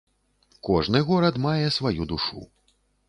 Кожны горад мае сваю душу.